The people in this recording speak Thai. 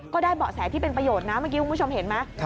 เบาะแสที่เป็นประโยชน์นะเมื่อกี้คุณผู้ชมเห็นไหม